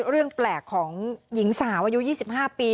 เรื่องแปลกของหญิงสาวอายุ๒๕ปี